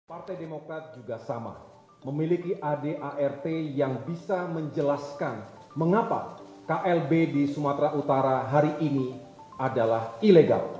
partai demokrat juga sama memiliki adart yang bisa menjelaskan mengapa klb di sumatera utara hari ini adalah ilegal